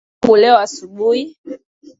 Fika kwangu leo asubuhi.